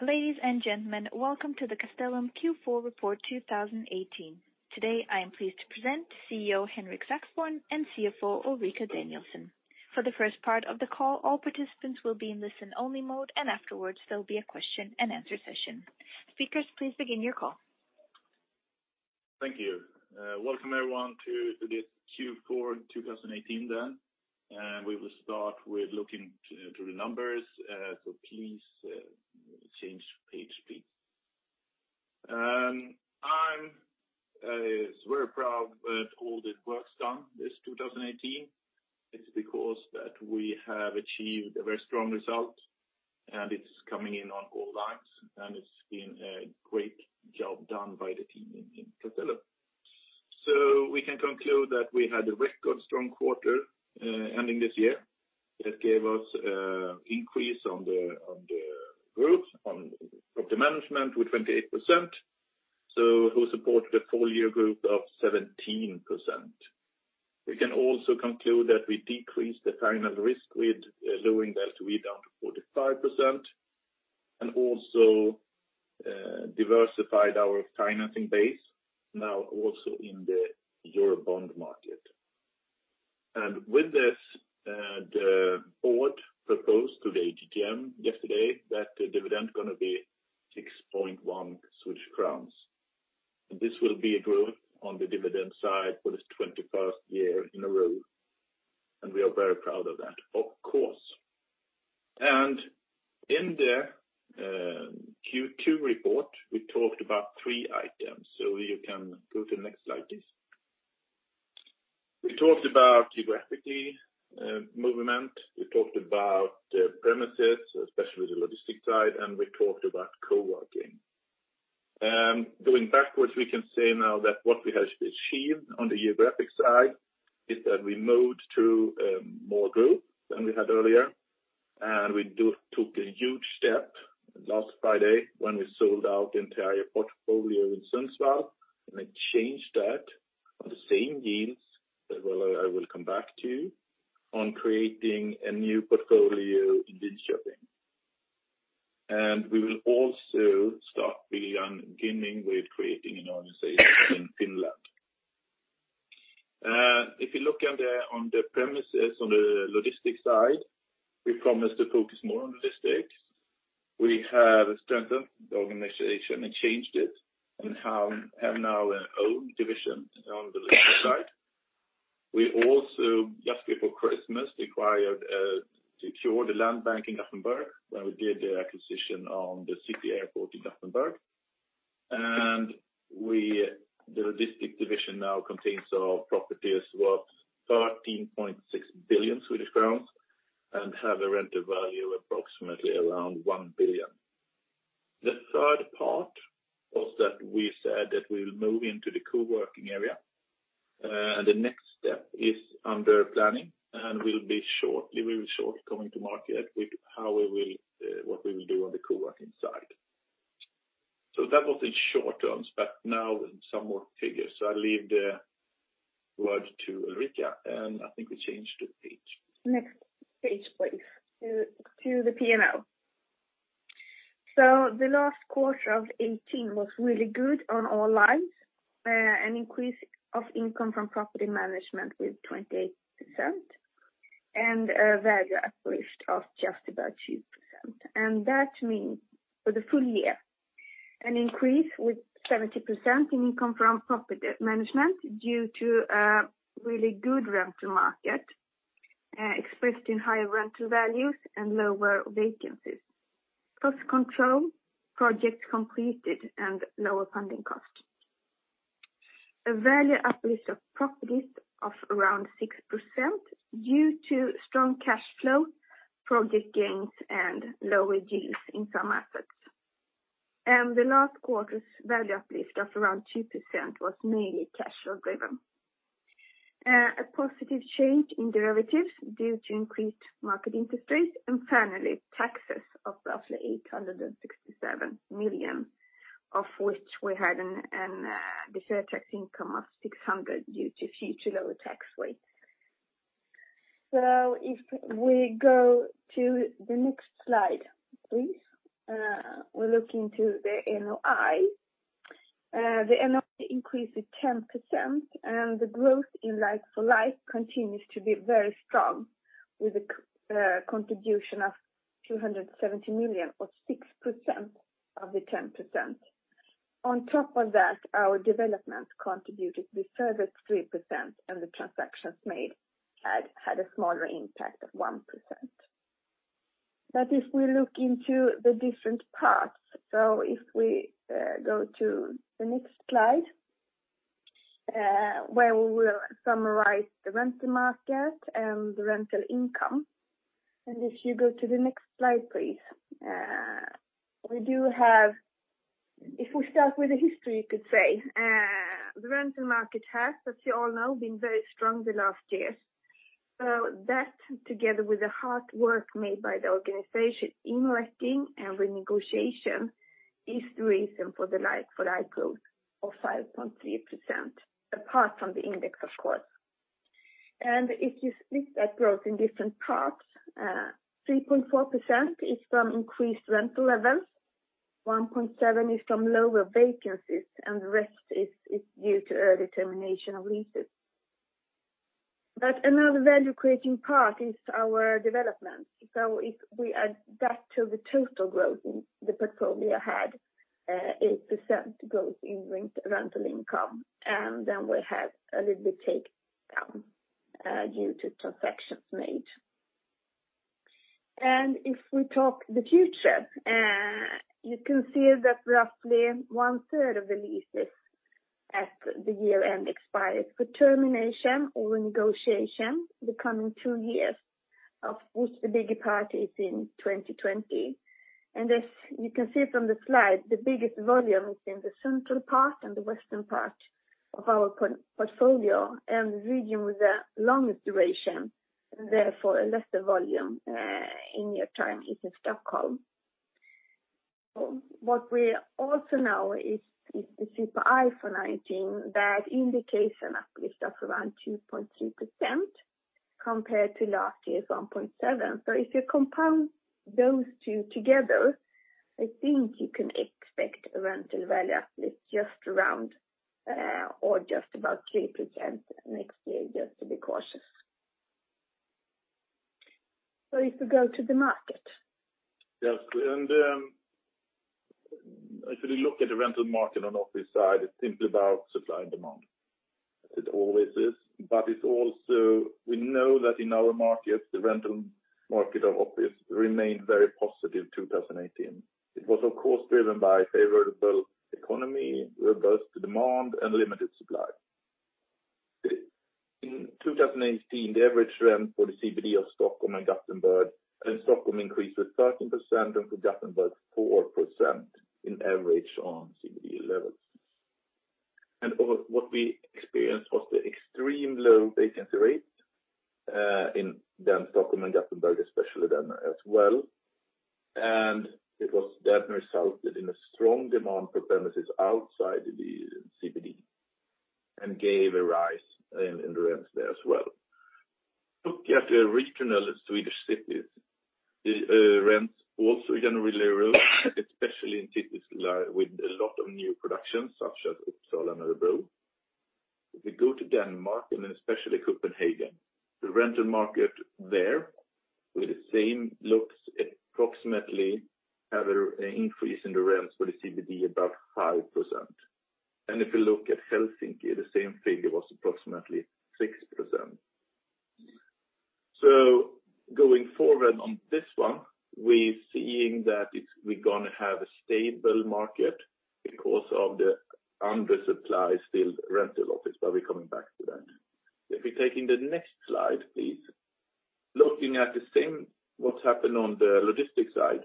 Ladies and gentlemen, welcome to the Castellum Q4 report 2018. Today, I am pleased to present CEO, Henrik Saxborn, and CFO, Ulrika Danielsson. For the first part of the call, all participants will be in listen-only mode, and afterwards, there'll be a question and answer session. Speakers, please begin your call. Thank you. Welcome everyone to this Q4 2018 then. We will start with looking to the numbers. Please change page, please. I'm very proud with all the work done this 2018. It's because that we have achieved a very strong result, and it's coming in on all lines, and it's been a great job done by the team in Castellum. So we can conclude that we had a record strong quarter ending this year, that gave us increase on the group, on property management with 28%. So who supported a full year group of 17%. We can also conclude that we decreased the financial risk with lowering the LTV down to 45%, and also diversified our financing base, now also in the Euro bond market. And with this, the board proposed to the AGM yesterday that the dividend is gonna be 6.1 Swedish crowns. And this will be a growth on the dividend side for this 21st year in a row, and we are very proud of that, of course. And in the Q2 report, we talked about three items. So you can go to the next slide, please. We talked about geographically movement, we talked about the premises, especially the logistics side, and we talked about co-working. Going backwards, we can say now that what we have achieved on the geographic side is that we moved to more growth than we had earlier. We took a huge step last Friday, when we sold out the entire portfolio in Sundsvall, and then changed that on the same deals, that well, I will come back to, on creating a new portfolio in Linköping. We will also start beginning with creating an organization in Finland. If you look on the premises, on the logistics side, we promised to focus more on logistics. We have strengthened the organization and changed it, and have now our own division on the logistics side. We also, just before Christmas, acquired, secured the land bank in Gothenburg, where we did the acquisition on the City Airport in Gothenburg. The logistics division now contains our properties worth 13.6 billion Swedish crowns, and have a rental value approximately around 1 billion. The third part was that we said that we will move into the co-working area. And the next step is under planning, and will be shortly, we will shortly coming to market with how we will, what we will do on the co-working side. So that was in short terms, but now some more figures. So I'll leave the word to Ulrika, and I think we change the page. Next page, please, to the P&L. So the last quarter of 2018 was really good on all lines. An increase of income from property management with 28%, and a value uplift of just about 2%. And that means for the full year, an increase with 70% in income from property management, due to really good rental market, expressed in higher rental values and lower vacancies. Cost control, projects completed, and lower funding costs. A value uplift of properties of around 6%, due to strong cash flow, project gains, and lower yields in some assets. The last quarter's value uplift of around 2% was mainly cash flow driven. A positive change in derivatives due to increased market interest rates, and finally, taxes of roughly 867 million, of which we had an deferred tax income of 600 million due to future lower tax rate. So if we go to the next slide, please. We're looking to the NOI. The NOI increased to 10%, and the growth in like-for-like continues to be very strong, with a contribution of 270 million, or 6% of the 10%. On top of that, our development contributed a further 3%, and the transactions made had a smaller impact of 1%. But if we look into the different parts, so if we go to the next slide, where we will summarize the rental market and the rental income. If you go to the next slide, please. We do have... If we start with the history, you could say, the rental market has, as you all know, been very strong the last years. So that, together with the hard work made by the organization in letting and renegotiation, is the reason for the like-for-like growth of 5.3%, apart from the index, of course. And if you split that growth in different parts, 3.4% is from increased rental levels, 1.7% is from lower vacancies, and the rest is due to early termination of leases. But another value-creating part is our development. So if we add that to the total growth in the portfolio had, 8% growth in rent, rental income, and then we had a little bit take down due to transactions made. If we talk the future, you can see that roughly one-third of the leases at the year-end expired for termination or negotiation the coming two years, of which the bigger part is in 2020. And as you can see from the slide, the biggest volume is in the central part and the western part of our portfolio, and the region with the longest duration, and therefore, a lesser volume in near term is in Stockholm. What we also know is the CPI for 2019, that indication uplift of around 2.3% compared to last year's 1.7%. So if you compound those two together, I think you can expect a rental value uplift just around or just about 3% next year, just to be cautious. So if you go to the market. Yes, and, if you look at the rental market on office side, it's simply about supply and demand. It always is. But it's also, we know that in our markets, the rental market of office remained very positive, 2018. It was, of course, driven by favorable economy, robust demand, and limited supply. In 2018, the average rent for the CBD of Stockholm and Gothenburg, and Stockholm increased to 13%, and for Gothenburg, 4% in average on CBD levels. And of what we experienced was the extreme low vacancy rate, in then Stockholm and Gothenburg, especially then as well. And it was that resulted in a strong demand for premises outside the CBD, and gave a rise in the rents there as well. Looking at the regional Swedish cities, the rents also generally low, especially in cities with a lot of new production, such as Uppsala and Örebro. If we go to Denmark, and especially Copenhagen, the rental market there, with the same looks, approximately, have an increase in the rents for the CBD, about 5%. And if you look at Helsinki, the same figure was approximately 6%. So going forward on this one, we're seeing that we're gonna have a stable market because of the under supply, still rental office, but we're coming back to that. If we're taking the next slide, please. Looking at the same, what's happened on the logistics side,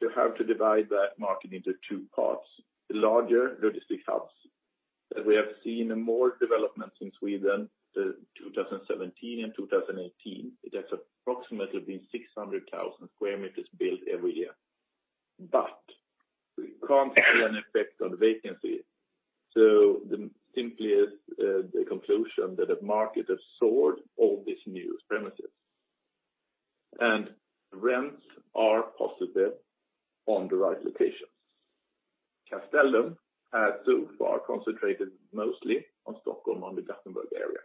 you have to divide that market into two parts. The larger logistics hubs, that we have seen in more developments in Sweden, 2017 and 2018. It has approximately been 600,000 square meters built every year. But we can't see any effect on the vacancy. So simply is the conclusion that the market has absorbed all these new premises. And rents are positive on the right locations. Castellum has so far concentrated mostly on Stockholm and the Gothenburg area.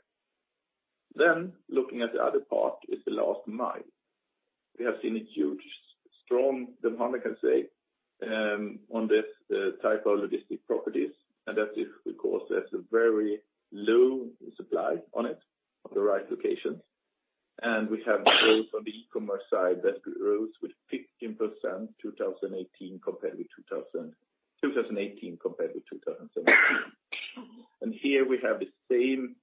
Then, looking at the other part, is the last mile. We have seen a huge, strong demand, I can say, on this type of logistics properties, and that is because there's a very low supply on it, on the right locations. And we have growth on the e-commerce side, that grows with 15%, 2018 compared with 2017. And here we have the same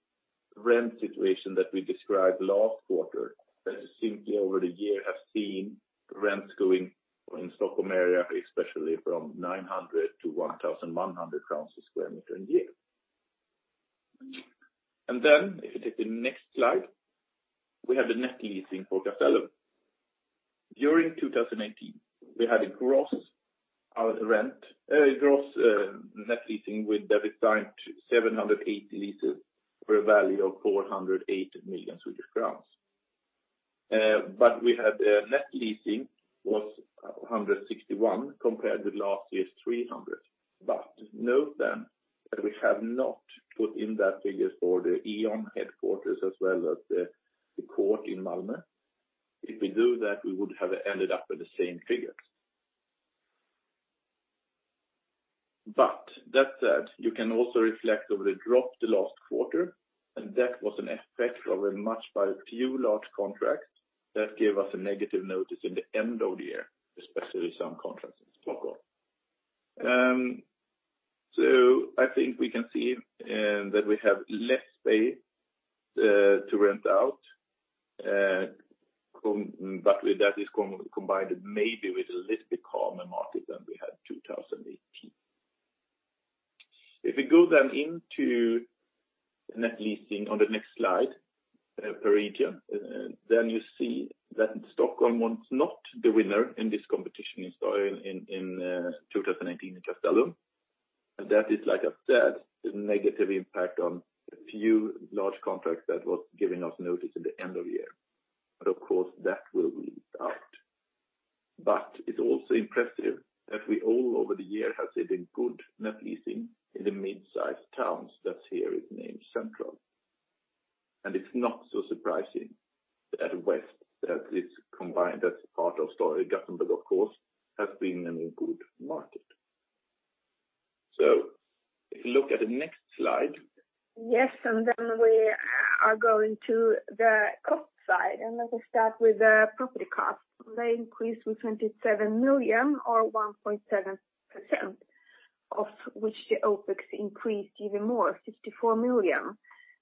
rent situation that we described last quarter, that simply over the year, have seen rents going in Stockholm area, especially from 900-1,100 crowns per square meter in a year. And then, if you take the next slide, we have the net leasing for Castellum. During 2018, we had a gross rent, gross net leasing, with that we signed 780 leases for a value of 408 million Swedish crowns. But we had net leasing was 161, compared with last year's 300. But note then, that we have not put in those figures for the E.ON headquarters, as well as the court in Malmö. If we do that, we would have ended up with the same figures. But that said, you can also reflect on the drop the last quarter, and that was an effect due to a few large contracts that gave us a negative notice in the end of the year, especially some contracts in Stockholm. So I think we can see that we have less space to rent out, but that is combined maybe with a little bit calmer market than we had 2018. If we go then into net leasing on the next slide, per region, then you see that Stockholm was not the winner in this competition in Stockholm in 2019 in Castellum. And that is like I've said, the negative impact on a few large contracts that was giving us notice at the end of the year. But of course, that will be out. It's also impressive that we all over the year have seen a good net leasing in the mid-sized towns that here is named Central. It's not so surprising that West, that is combined as part of story, Gothenburg, of course, has been in a good market. If you look at the next slide. Yes, and then we are going to the cost side, and let us start with the property cost. They increased with 27 million or 1.7%, of which the OpEx increased even more, 64 million.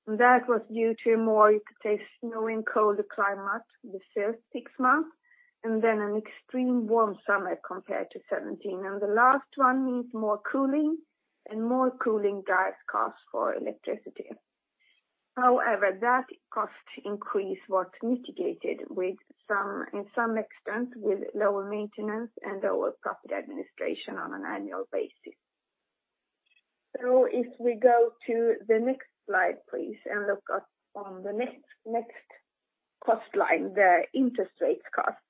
And that was due to a more, you could say, snowing, colder climate the first six months, and then an extreme warm summer compared to 2017. And the last one means more cooling, and more cooling drives costs for electricity. However, that cost increase was mitigated with some in some extent, with lower maintenance and lower property administration on an annual basis. So if we go to the next slide, please, and look at on the next, next cost line, the interest rates cost.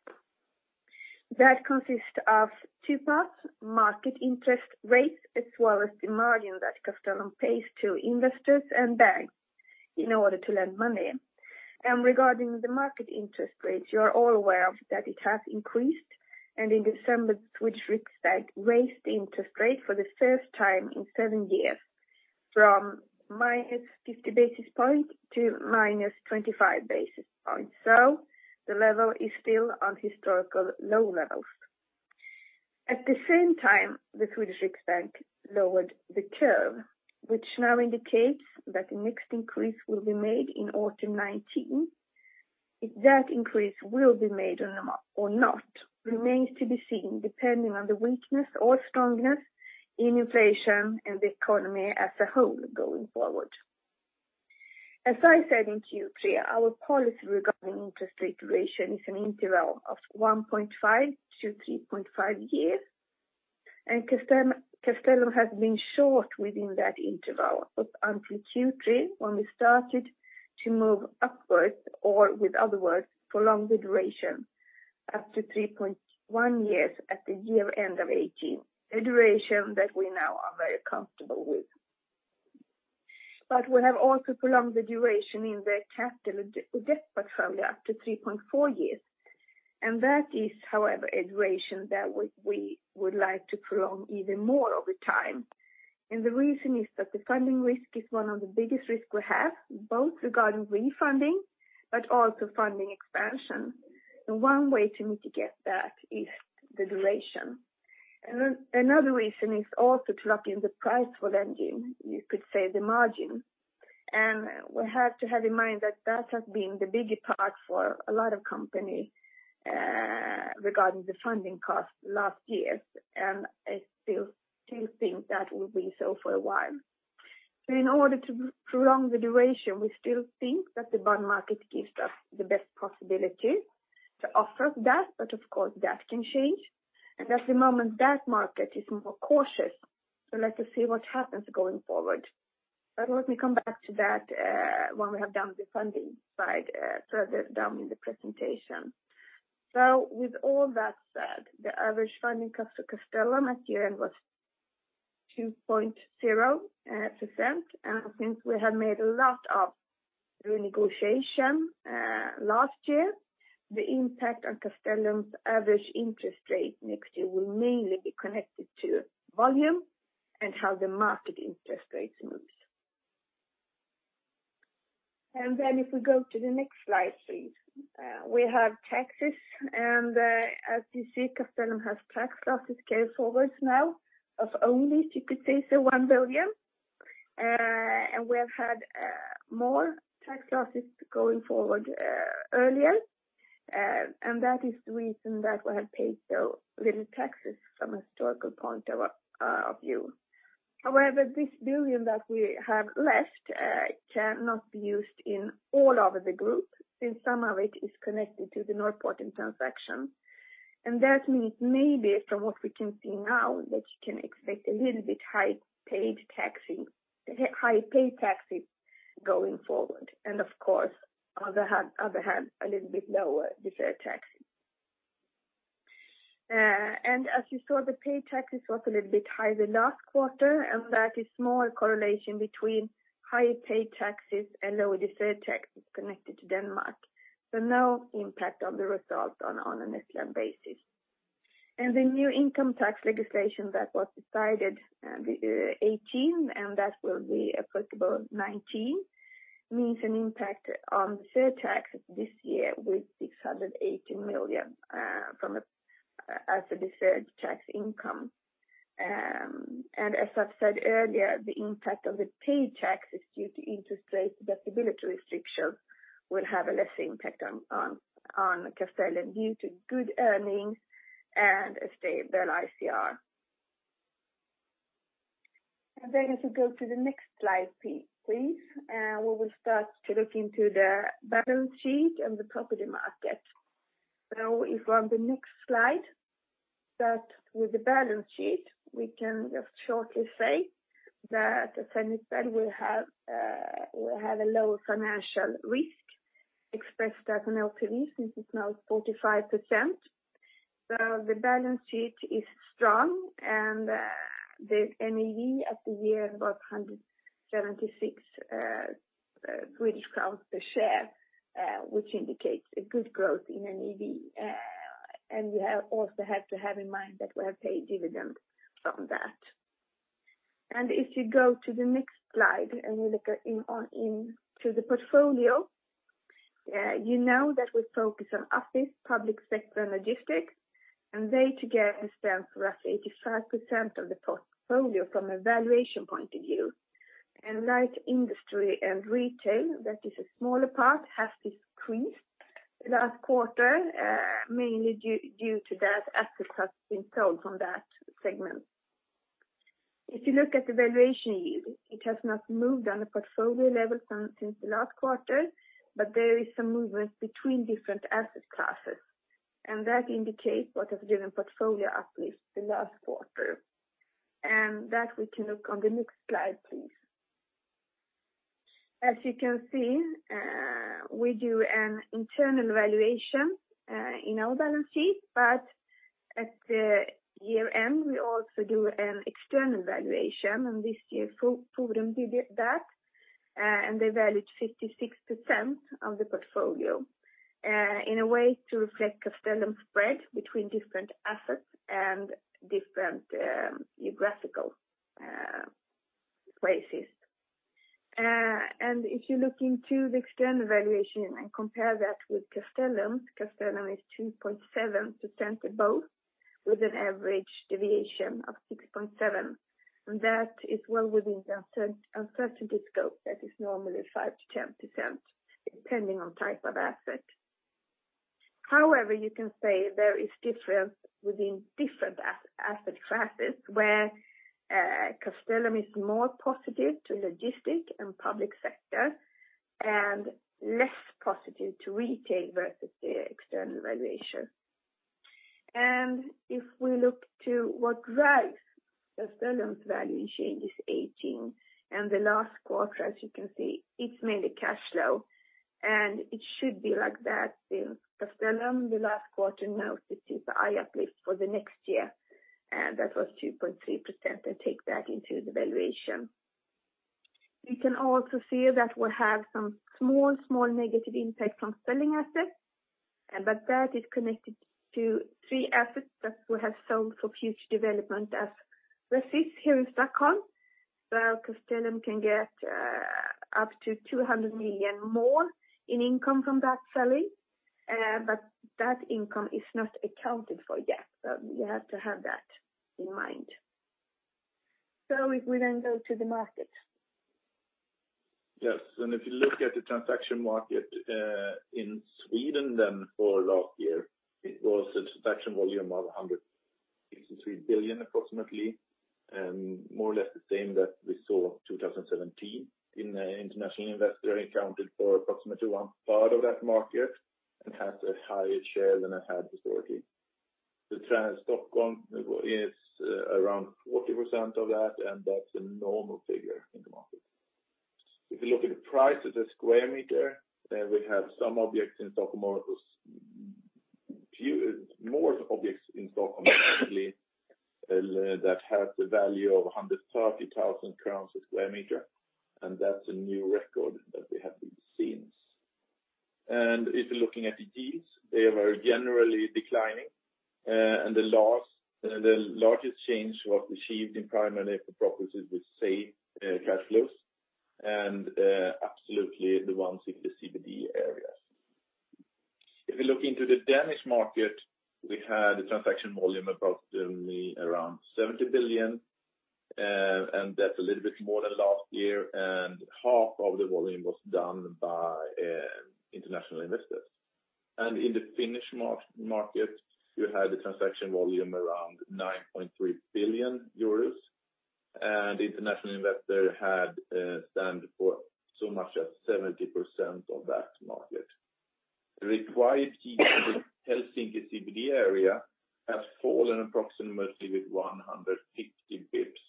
That consists of two parts: market interest rates, as well as the margin that Castellum pays to investors and banks in order to lend money. Regarding the market interest rates, you are all aware of that it has increased, and in December, Swedish Riksbank raised the interest rate for the first time in seven years, from -50 basis points to -25 basis points. So the level is still on historical low levels. At the same time, the Swedish Riksbank lowered the curve, which now indicates that the next increase will be made in autumn 2019. If that increase will be made or not, remains to be seen, depending on the weakness or strongness in inflation and the economy as a whole going forward. As I said in Q3, our policy regarding interest rate duration is an interval of 1.5-3.5 years, and Castellum has been short within that interval. But on Q3, when we started to move upwards, or with other words, prolong the duration up to 3.1 years at the year-end of 2018, a duration that we now are very comfortable with. But we have also prolonged the duration in the capital debt portfolio up to 3.4 years. And that is, however, a duration that we would like to prolong even more over time. And the reason is that the funding risk is one of the biggest risk we have, both regarding refunding, but also funding expansion. And one way to mitigate that is the duration. Another reason is also to lock in the price for lending, you could say the margin. And we have to have in mind that that has been the biggest part for a lot of company, regarding the funding cost last year, and I still, still think that will be so for a while. So in order to prolong the duration, we still think that the bond market gives us the best possibility to offer that, but of course, that can change. And at the moment, that market is more cautious, so let us see what happens going forward. But let me come back to that, when we have done the funding side, further down in the presentation. So with all that said, the average funding cost to Castellum at year-end was 2.0%. And since we have made a lot of renegotiation last year, the impact on Castellum's average interest rate next year will mainly be connected to volume and how the market interest rates moves. And then if we go to the next slide, please. We have taxes, and as you see, Castellum has tax losses carryforwards now of only, you could say, 1 billion. And we have had more tax losses going forward earlier. And that is the reason that we have paid so little taxes from a historical point of view. However, this 1 billion that we have left cannot be used all over the group, since some of it is connected to the Norrporten transaction. And that means maybe from what we can see now, that you can expect a little bit higher paid taxes going forward. And of course, on the other hand, a little bit lower deferred taxes. And as you saw, the paid taxes was a little bit higher than last quarter, and that is more a correlation between higher paid taxes and lower deferred taxes connected to Denmark. So no impact on the result on an interim basis. And the new income tax legislation that was decided in 2018, and that will be applicable 2019, means an impact on deferred taxes this year with 680 million as a deferred tax income. And as I've said earlier, the impact of the paid taxes due to interest rates, the stability restriction, will have a less impact on Castellum due to good earnings and a stable ICR. Then if we go to the next slide, please, where we start to look into the balance sheet and the property market. So if you on the next slide, that with the balance sheet, we can just shortly say that at Castellum, we have a lower financial risk expressed as an LTV, which is now 45%. So the balance sheet is strong, and the NAV at the year about 176 Swedish crowns per share, which indicates a good growth in NAV. And you also have to have in mind that we have paid dividends from that. If you go to the next slide, and we look into the portfolio, you know, that we focus on office, public sector, and logistics, and they together stand for roughly 85% of the portfolio from a valuation point of view. And light industry and retail, that is a smaller part, has decreased last quarter, mainly due to that assets have been sold from that segment. If you look at the valuation view, it has not moved on the portfolio level since the last quarter, but there is some movement between different asset classes. And that indicates what has driven portfolio uplift the last quarter. And that we can look on the next slide, please. As you can see, we do an internal valuation in our balance sheet, but at the year-end, we also do an external valuation, and this year, Forum did that. And they valued 56% of the portfolio in a way to reflect Castellum spread between different assets and different geographical places. And if you look into the external valuation and compare that with Castellum, Castellum is 2.7% above, with an average deviation of 6.7%. And that is well within the uncertainty scope, that is normally 5%-10%, depending on type of asset. However, you can say there is difference within different asset classes, where Castellum is more positive to logistics and public sector, and less positive to retail versus the external valuation. If we look to what drives Castellum's value change in 2018, and the last quarter, as you can see, it's mainly cash flow, and it should be like that since Castellum, the last quarter, now, which is the high uplift for the next year, and that was 2.3%, they take that into the valuation. We can also see that we have some small, small negative impact from selling assets, but that is connected to three assets that we have sold for future development as versus here in Stockholm, where Castellum can get, up to 200 million more in income from that selling. But that income is not accounted for yet, so you have to have that in mind. So if we then go to the market. Yes, and if you look at the transaction market in Sweden, then for last year, it was a transaction volume of 163 billion, approximately, more or less the same that we saw 2017. International investors accounted for approximately one part of that market, and has a higher share than it had historically. The trend in Stockholm is around 40% of that, and that's a normal figure in the market. If you look at the price of the square meter, then we have some objects in Stockholm, a few more objects in Stockholm, actually, that have the value of 130,000 crowns per square meter, and that's a new record that we have seen. If you're looking at the deals, they are generally declining, and the last, the largest change was achieved in primarily for properties with safe, cash flows, and, absolutely the ones in the CBD areas. If you look into the Danish market, we had a transaction volume, approximately around 70 billion, and that's a little bit more than last year, and half of the volume was done by, international investors. In the Finnish market, you had the transaction volume around 9.3 billion euros, and international investor had, stand for so much as 70% of that market. Required yield in the Helsinki CBD area has fallen approximately with 150 basis points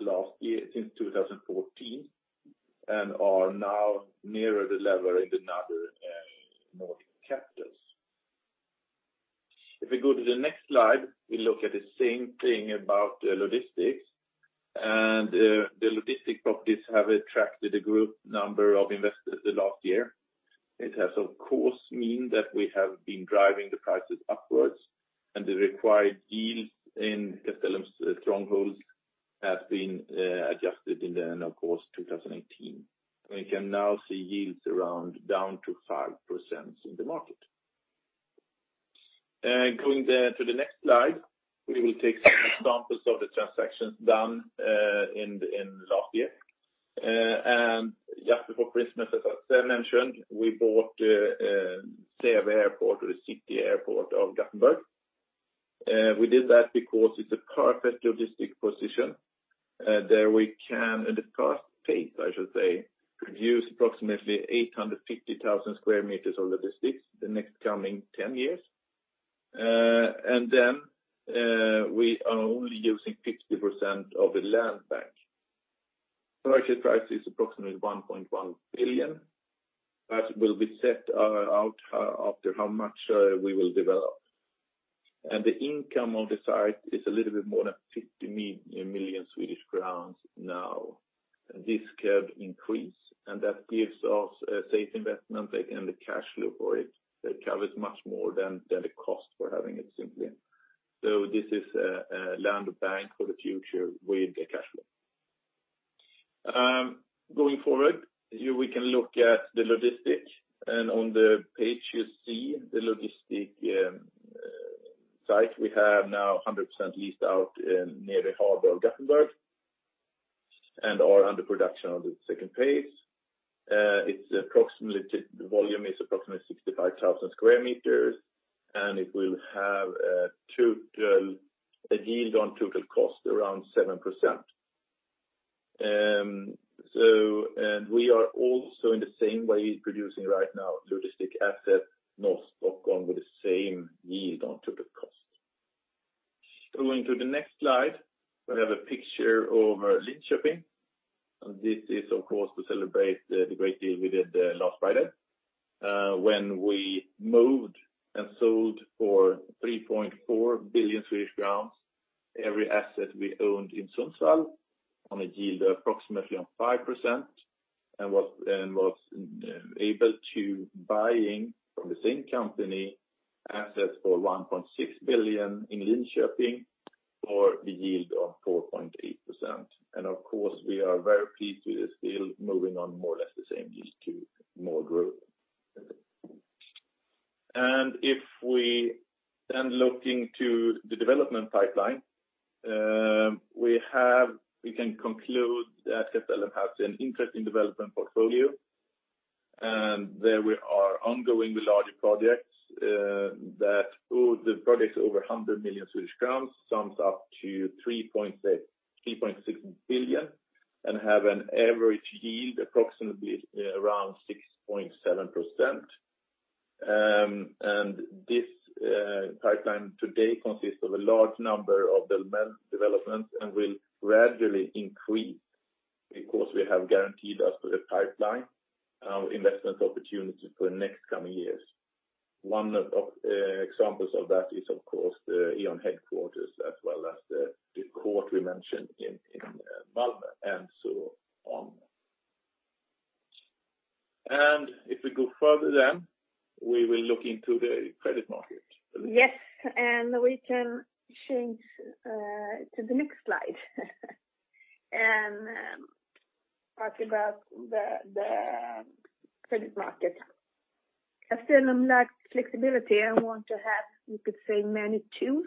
last year since 2014, and are now nearer the level in another Nordic capitals. If we go to the next slide, we look at the same thing about logistics. And the logistics properties have attracted a good number of investors the last year. It has, of course, mean that we have been driving the prices upwards, and the required yields in Castellum's strongholds have been adjusted at the end of 2018, of course. We can now see yields around down to 5% in the market. Going then to the next slide, we will take some examples of the transactions done in last year. And just before Christmas, as I mentioned, we bought Säve Airport or the City Airport of Gothenburg. We did that because it's a perfect logistics position, there we can, at a fast pace, I should say, produce approximately 850,000 sq m of logistics the next coming 10 years. And then, we are only using 50% of the land bank. Market price is approximately 1.1 billion, that will be set out after how much we will develop. And the income on the site is a little bit more than 50 million Swedish crowns now. This could increase, and that gives us a safe investment and the cash flow for it, that covers much more than the cost for having it simply. So this is a land bank for the future with the cash flow. Going forward, here we can look at the logistics, and on the page, you see the logistics site. We have now 100% leased out near the harbor of Gothenburg, and are under production on the second phase. It's approximately- the volume is approximately 65,000 square meters, and it will have total- a yield on total cost, around 7%. So, and we are also in the same way, producing right now, logistics asset, North Stockholm, with the same yield on total cost. Going to the next slide, we have a picture over Linköping, and this is, of course, to celebrate the great deal we did last Friday. When we moved and sold for 3.4 billion Swedish crowns every asset we owned in Sundsvall, on a yield approximately on 5%, and were able to buy from the same company, assets for 1.6 billion in Linköping, for the yield of 4.8%. And of course, we are very pleased with this deal, moving on more or less the same yield to more growth. And if we then look into the development pipeline, we can conclude that Castellum has an interesting development portfolio. And there we are ongoing with larger projects, that the projects over 100 million Swedish crowns sums up to 3.6 billion, and have an average yield, approximately, around 6.7%. And this pipeline today consists of a large number of developments, and will gradually increase because we have guaranteed us with a pipeline investment opportunity for the next coming years. One of examples of that is, of course, the E.ON headquarters, as well as the court we mentioned in Malmö, and so on. And if we go further, then we will look into the capital market, please. Yes, and we can change to the next slide. And, talk about the credit market. Castellum likes flexibility, and want to have, you could say, many tools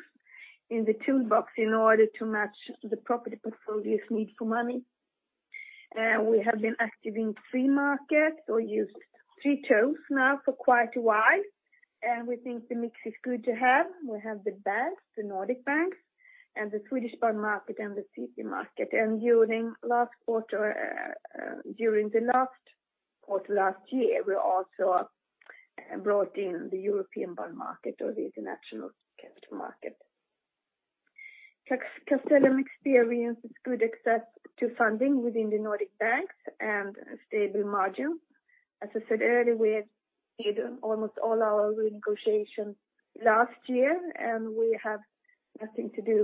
in the toolbox in order to match the property portfolio's need for money. We have been active in three markets, or used three tools now for quite a while, and we think the mix is good to have. We have the banks, the Nordic banks, and the Swedish bond market, and the CP market. And during the last quarter, last year, we also brought in the European bond market or the international capital market. Castellum experienced good access to funding within the Nordic banks and stable margin. As I said earlier, we had did almost all our renegotiation last year, and we have nothing to do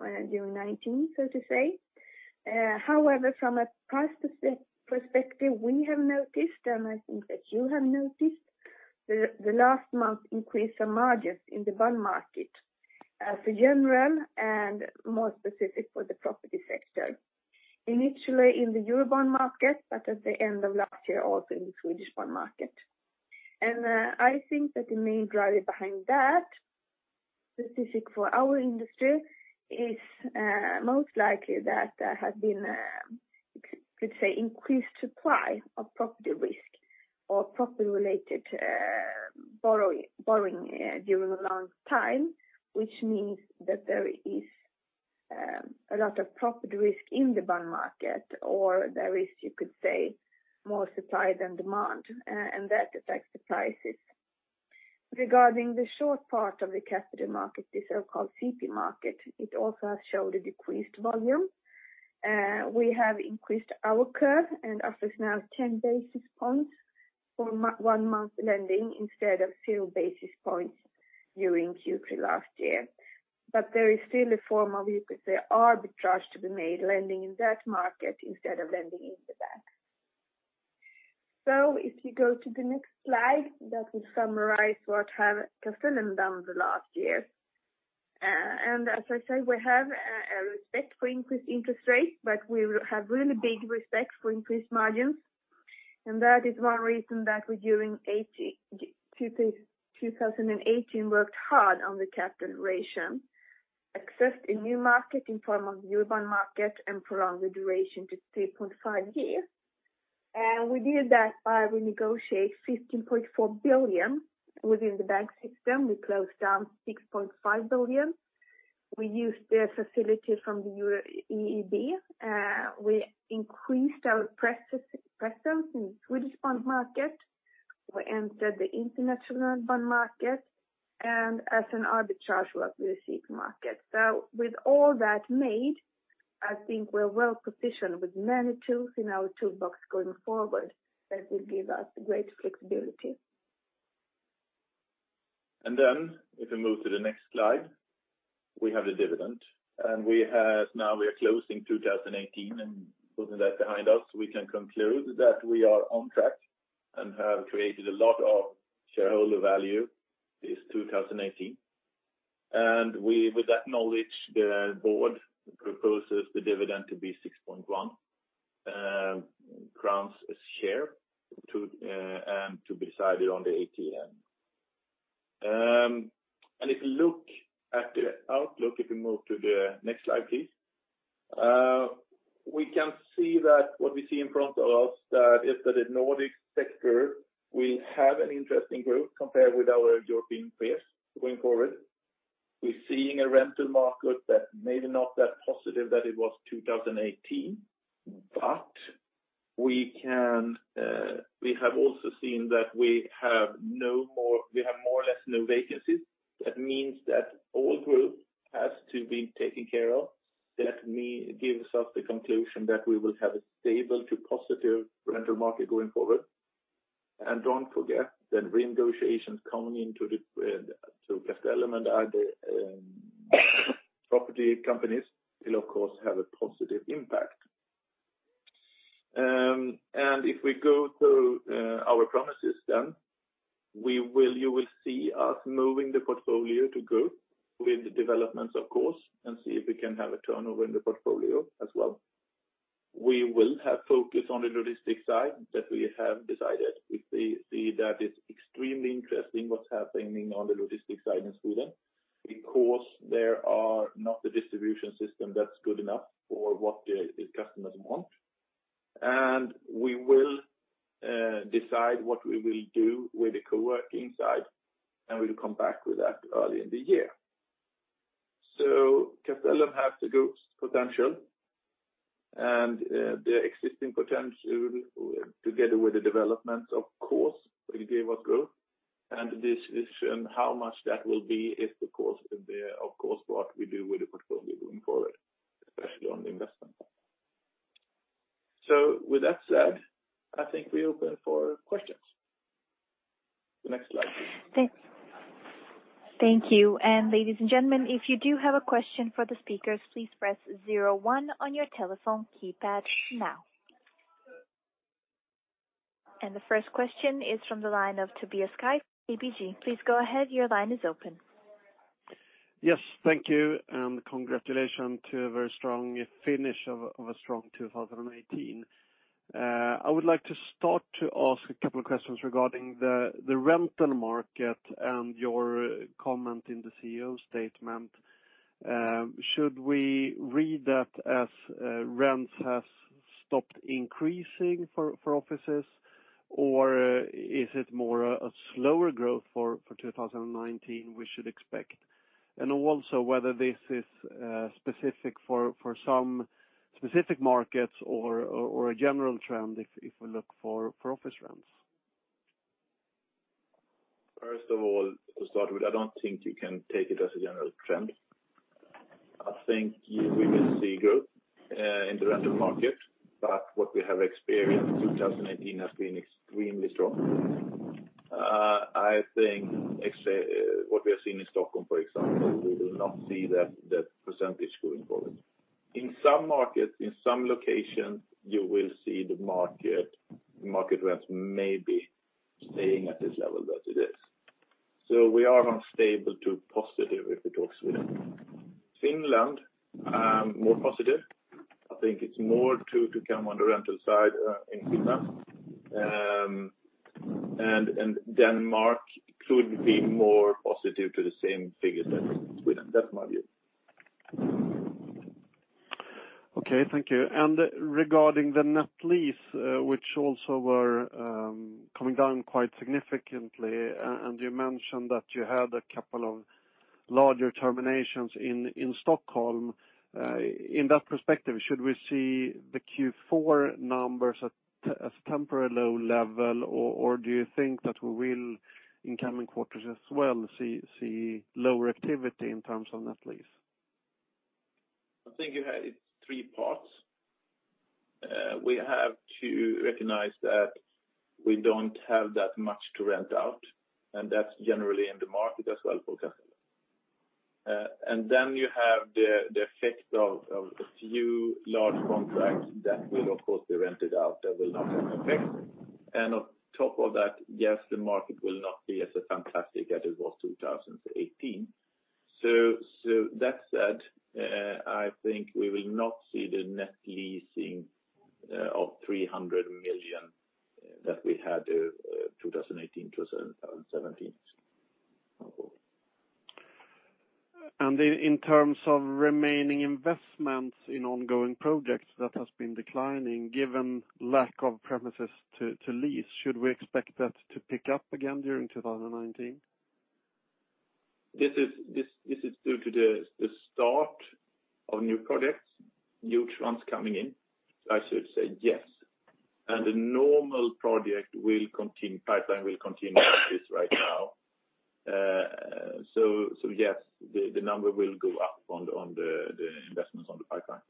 during 2019, so to say. However, from a price perspective, we have noticed, and I think that you have noticed, the last month increase on margins in the bond market, for general and more specific for the property sector. Initially, in the Euro bond market, but at the end of last year, also in the Swedish bond market. I think that the main driver behind that, specific for our industry, is most likely that there has been you could say, increased supply of property risk or property-related borrowing during a long time. Which means that there is a lot of property risk in the bond market, or there is, you could say, more supply than demand, and that affects the prices. Regarding the short part of the capital market, the so-called CP market, it also has showed a decreased volume. We have increased our curve, and offers now ten basis points for one-month lending, instead of zero basis points during Q3 last year. But there is still a form of, you could say, arbitrage to be made, lending in that market instead of lending in the bank. So if you go to the next slide, that will summarize what have Castellum done the last year. And as I said, we have a respect for increased interest rates, but we have really big respect for increased margins. And that is one reason that we, during 2018, worked hard on the capital ratio, accessed a new market in form of Euro bond market, and prolong the duration to 3.5 years. And we did that by renegotiate 15.4 billion within the bank system. We closed down 6.5 billion. We used the facility from the EIB, we increased our presence in Swedish bond market. We entered the international bond market and as an arbitrage what we received market. So with all that made, I think we're well positioned with many tools in our toolbox going forward, that will give us great flexibility. And then if we move to the next slide, we have the dividend. And we have, now we are closing 2018, and putting that behind us, we can conclude that we are on track, and have created a lot of shareholder value, this 2018. With that knowledge, the board proposes the dividend to be 6.1 crowns a share, to be decided on the AGM. And if you look at the outlook, if you move to the next slide, please. We can see that what we see in front of us, that is that the Nordic sector will have an interesting growth compared with our European peers going forward. We're seeing a rental market that maybe not that positive that it was 2018, but we can, we have also seen that we have more or less no vacancies. That means that all growth has to be taken care of. That gives us the conclusion that we will have a stable to positive rental market going forward. And don't forget that renegotiations coming to Castellum and other property companies will of course have a positive impact. And if we go to our premises, you will see us moving the portfolio to grow with the developments, of course, and see if we can have a turnover in the portfolio as well. We will have focus on the logistics side that we have decided. We see that it's extremely interesting what's happening on the logistics side in Sweden, because there are not the distribution system that's good enough for what the customers want. And we will decide what we will do with the coworking side, and we will come back with that early in the year. So Castellum has the group's potential, and the existing potential, together with the development, of course, will give us growth. And this is how much that will be is of course what we do with the portfolio going forward, especially on the investment. So with that said, I think we're open for questions. The next slide, please. Thanks. Thank you. Ladies and gentlemen, if you do have a question for the speakers, please press zero one on your telephone keypad now. The first question is from the line of Tobias Kaj, ABG. Please go ahead, your line is open. Yes, thank you, and congratulations to a very strong finish of a strong 2018. I would like to start to ask a couple of questions regarding the rental market and your comment in the CEO statement. Should we read that as rents has stopped increasing for offices, or is it more a slower growth for 2019 we should expect? And also whether this is specific for some specific markets or a general trend, if we look for office rents. First of all, to start with, I don't think you can take it as a general trend. I think we will see growth in the rental market, but what we have experienced, 2018 has been extremely strong. I think what we are seeing in Stockholm, for example, we will not see that, that percentage going forward. In some markets, in some locations, you will see the market, market rents maybe staying at this level that it is. So we are on stable to positive if it talks with them. Finland, more positive. I think it's more to, to come on the rental side in Finland. And Denmark could be more positive to the same figure that Sweden. That's my view. Okay, thank you. And regarding the net lease, which also were coming down quite significantly, and you mentioned that you had a couple of larger terminations in Stockholm. In that perspective, should we see the Q4 numbers as temporary low level, or do you think that we will, in coming quarters as well, see lower activity in terms of net lease? I think you have it's three parts. We have to recognize that we don't have that much to rent out, and that's generally in the market as well for Castellum. And then you have the effect of a few large contracts that will, of course, be rented out, that will not have an effect. And on top of that, yes, the market will not be as fantastic as it was 2018. So that said, I think we will not see the net leasing of 300 million that we had 2018 to 2017.... And in terms of remaining investments in ongoing projects that has been declining, given lack of premises to lease, should we expect that to pick up again during 2019? This is due to the start of new projects, new trends coming in, I should say yes. And the normal project will continue, pipeline will continue like this right now. So yes, the number will go up on the investments on the pipeline.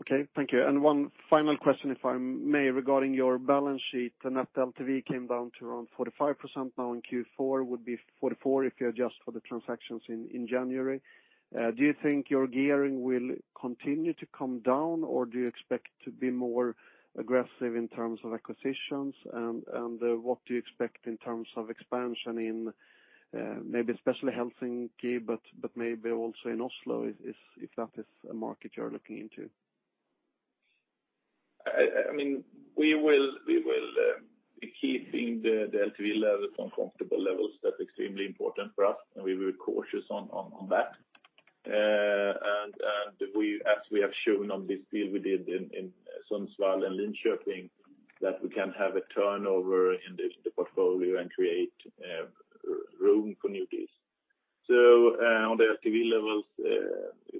Okay, thank you. And one final question, if I may, regarding your balance sheet, the net LTV came down to around 45% now in Q4, would be 44 if you adjust for the transactions in January. Do you think your gearing will continue to come down, or do you expect to be more aggressive in terms of acquisitions? And what do you expect in terms of expansion in maybe especially Helsinki, but maybe also in Oslo, if that is a market you're looking into? I mean, we will be keeping the LTV levels on comfortable levels. That's extremely important for us, and we were cautious on that. And we, as we have shown on this deal we did in Sundsvall and Linköping, that we can have a turnover in the portfolio and create room for new deals. So, on the LTV levels,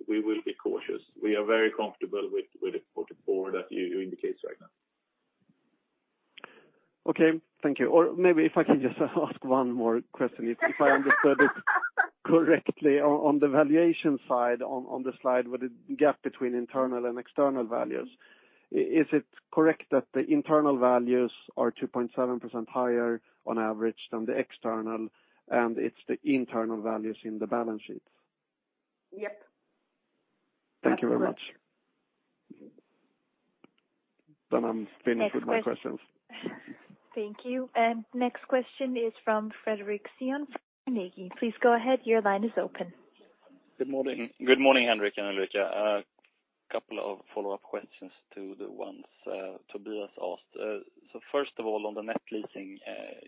we will be cautious. We are very comfortable with the 44 that you indicate right now. Okay, thank you. Or maybe if I can just ask one more question. If I understood it correctly, on the valuation side, on the slide with the gap between internal and external values, is it correct that the internal values are 2.7% higher on average than the external, and it's the internal values in the balance sheets? Yep. Thank you very much. Then I'm finished with my questions. Thank you. Next question is from Fredric Cyon from Carnegie. Please go ahead, your line is open. Good morning. Good morning, Henrik and Ulrika. Couple of follow-up questions to the ones Tobias asked. So first of all, on the net leasing,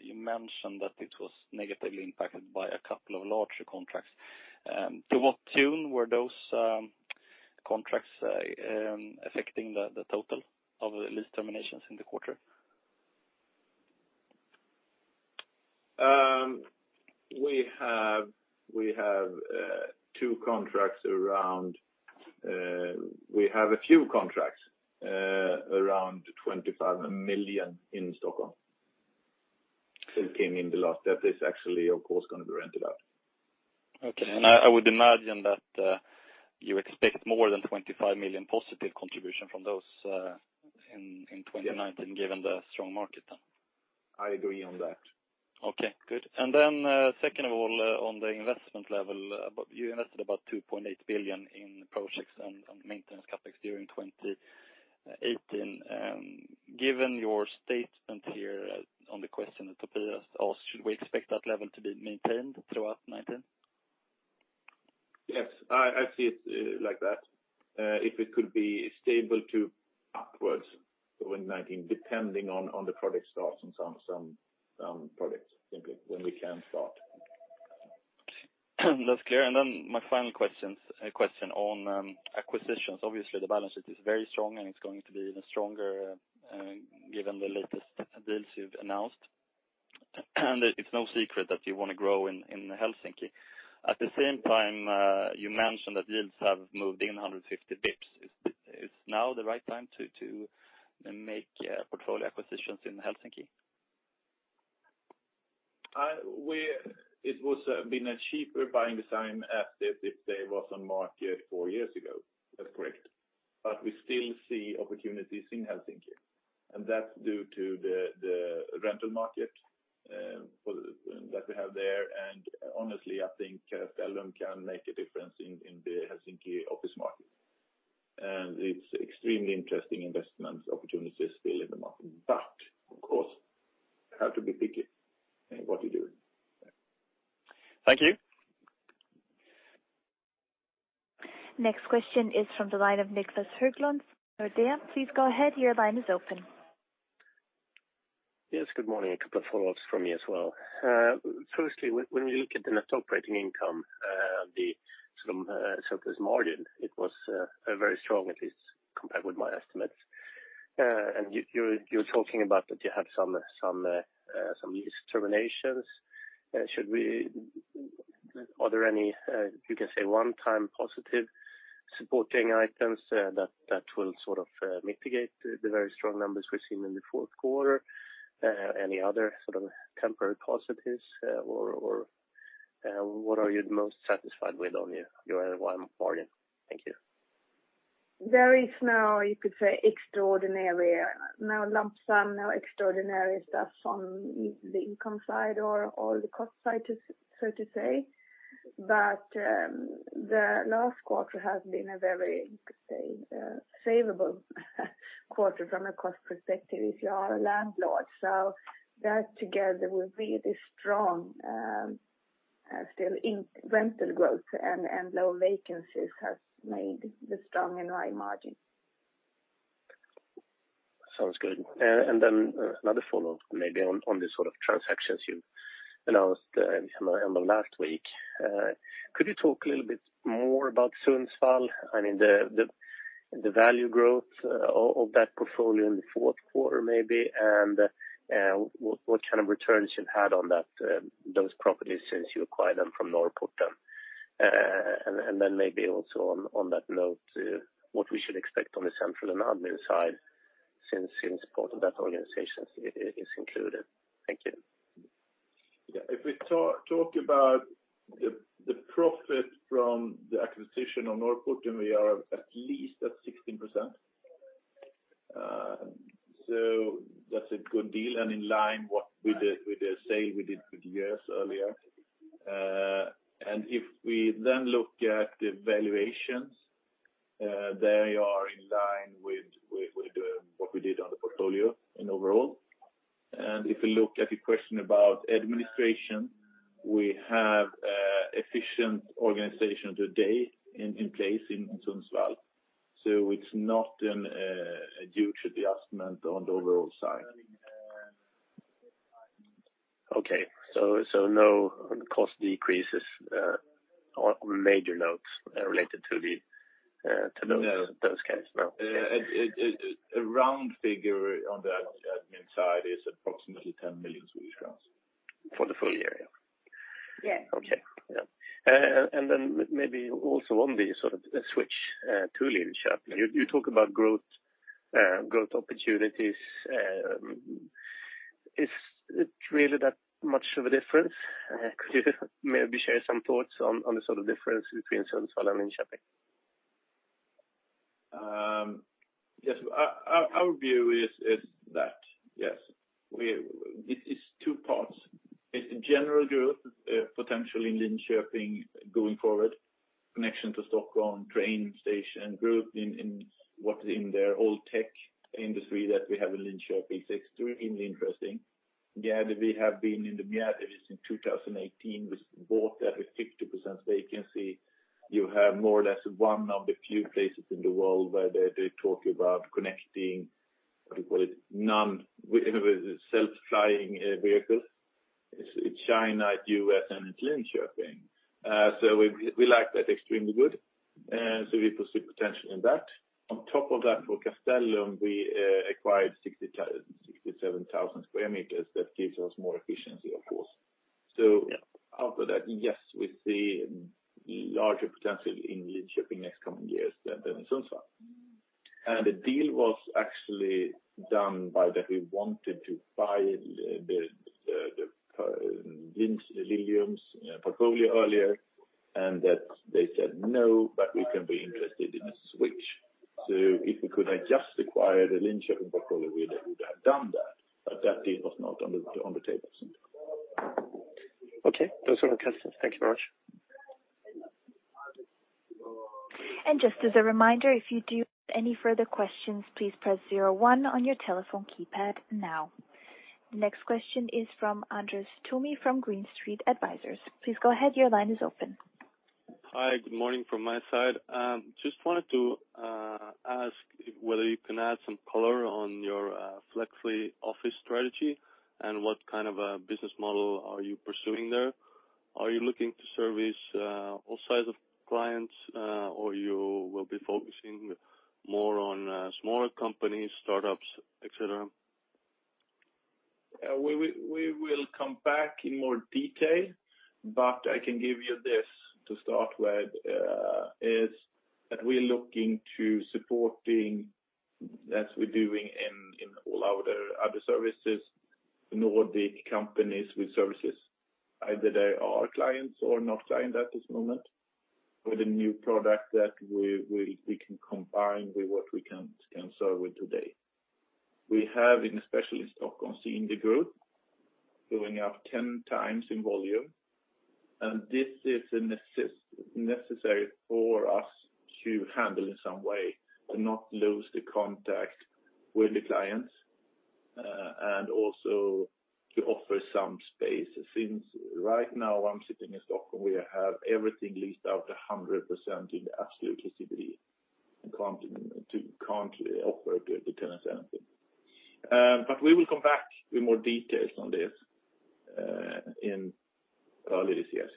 you mentioned that it was negatively impacted by a couple of larger contracts. To what tune were those contracts affecting the total of the lease terminations in the quarter? We have a few contracts around 25 million in Stockholm, that came in the last. That is actually, of course, gonna be rented out. Okay. And I would imagine that you expect more than 25 million positive contribution from those in 2019- Yes. Given the strong market then? I agree on that. Okay, good. And then, second of all, on the investment level, you invested about 2.8 billion in projects and maintenance CapEx during 2018. Given your statement here on the question that Tobias asked, should we expect that level to be maintained throughout 2019? Yes, I see it like that. If it could be stable to upwards in 2019, depending on the project starts on some projects, simply when we can start. That's clear. Then my final questions, question on acquisitions. Obviously, the balance sheet is very strong, and it's going to be even stronger, given the latest deals you've announced. It's no secret that you wanna grow in Helsinki. At the same time, you mentioned that yields have moved in 150 bps. Is now the right time to make portfolio acquisitions in Helsinki? It would been a cheaper buying the same asset if they was on market four years ago. That's correct. But we still see opportunities in Helsinki, and that's due to the rental market for that we have there. And honestly, I think Castellum can make a difference in the Helsinki office market. And it's extremely interesting investment opportunities still in the market. But, of course, you have to be picky in what you're doing. Thank you. Next question is from the line of Niclas Höglund, Nordea. Please go ahead, your line is open. Yes, good morning. A couple of follow-ups from me as well. Firstly, when we look at the net operating income, the sort of surplus margin, it was very strong, at least compared with my estimates. And you're talking about that you had some lease terminations. Should we... Are there any you can say, one-time positive supporting items, that will sort of mitigate the very strong numbers we've seen in the fourth quarter? Any other sort of temporary positives, or what are you the most satisfied with on your NOI margin? Thank you. There is no, you could say, extraordinary, no lump sum, no extraordinary stuff on the income side or the cost side, so to say. But the last quarter has been a very, you could say, favorable quarter from a cost perspective, if you are a landlord. So that together with really strong still rental growth and low vacancies has made the strong NOI margin.... Sounds good. And then another follow-up, maybe on, on the sort of transactions you announced, end of, end of last week. Could you talk a little bit more about Sundsvall? I mean, the value growth, of, of that portfolio in the fourth quarter, maybe, and, what kind of returns you've had on that, those properties since you acquired them from Norrporten. And then maybe also on, on that note, what we should expect on the central and admin side since, since part of that organization is, is included. Thank you. Yeah. If we talk about the profit from the acquisition of Norrporten, we are at least at 16%. So that's a good deal, and in line with the sale we did with Diös earlier. And if we then look at the valuations, they are in line with what we did on the portfolio overall. And if you look at the question about administration, we have efficient organization today in place in Sundsvall. So it's not due to the adjustment on the overall side. Okay. So no cost decreases on major notes related to the- No. In those cases, no? A round figure on the admin side is approximately 10 million Swedish crowns. For the full year, yeah? Yes. Okay. Yeah. And then maybe also on the sort of switch to Linköping. You talk about growth opportunities. Is it really that much of a difference? Could you maybe share some thoughts on the sort of difference between Sundsvall and Linköping? Yes, our view is that it is two parts. It's general growth potential in Linköping going forward, connection to Stockholm train station, growth in what is in their old tech industry that we have in Linköping is extremely interesting. We have been in the Mjärdevi in 2018. We bought that with 50% vacancy. You have more or less one of the few places in the world where they talk about connecting non-self-flying vehicles. It's China, US, and Linköping. So we like that extremely good, so we see potential in that. On top of that, for Castellum, we acquired 67,000 sq m. That gives us more efficiency, of course. So- Yeah. After that, yes, we see larger potential in Linköping next coming years than Sundsvall. And the deal was actually done by that we wanted to buy the Lilium's portfolio earlier, and that they said, "No, but we can be interested in a switch." So if we could have just acquired a Linköping portfolio, we would have done that, but that deal was not on the table. Okay. Those are the questions. Thank you very much. Just as a reminder, if you do have any further questions, please press zero one on your telephone keypad now. The next question is from Andres Toome from Green Street Advisors. Please go ahead. Your line is open. Hi, good morning from my side. Just wanted to ask whether you can add some color on your Flexi office strategy, and what kind of a business model are you pursuing there? Are you looking to service all sides of clients, or you will be focusing more on smaller companies, startups, et cetera? We will, we will come back in more detail, but I can give you this to start with, is that we're looking to supporting, as we're doing in all our other services, know the companies with services, either they are clients or not clients at this moment, with a new product that we can combine with what we can serve with today. We have, and especially in Stockholm, seen the growth going up 10 times in volume, and this is necessary for us to handle in some way, to not lose the contact with the clients, and also to offer some space. Since right now, I'm sitting in Stockholm, we have everything leased out 100% in the absolute city, and we can't offer to tenants anything. We will come back with more details on this in early this year.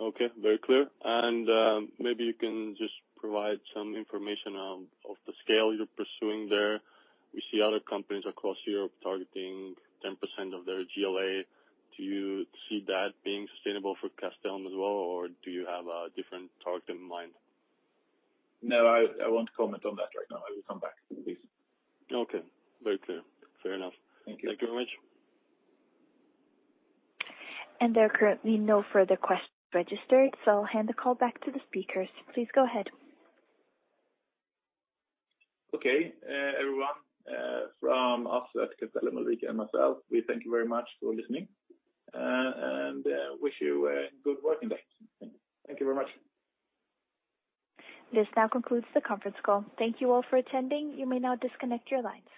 Okay, very clear. And, maybe you can just provide some information on, of the scale you're pursuing there. We see other companies across Europe targeting 10% of their GLA. Do you see that being sustainable for Castellum as well, or do you have a different target in mind? No, I won't comment on that right now. I will come back, please. Okay. Very clear. Fair enough. Thank you. Thank you very much. There are currently no further questions registered, so I'll hand the call back to the speakers. Please go ahead. Okay, everyone, from us at Castellum, Ulrika and myself, we thank you very much for listening and wish you a good working day. Thank you very much. This now concludes the conference call. Thank you all for attending. You may now disconnect your lines.